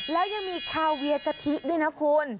แล้วยังมีคาเวียกะทิด้วยนะคุณ